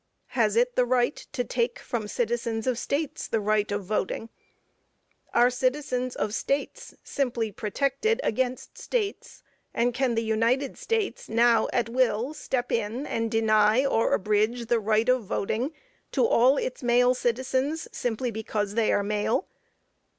Has it the right to take from citizens of States the right of voting? Are citizens of States simply protected against States, and can the United States now, at will, step in and deny or abridge the right of voting to all its male citizens simply because they are male?